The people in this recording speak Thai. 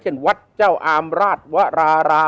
เช่นวัดเจ้าอามราชวราราม